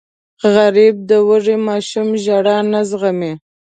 غریب د وږې ماشوم ژړا نه زغمي